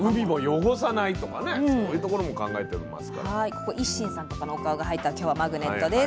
ここ一心さんとかのお顔が入った今日はマグネットです。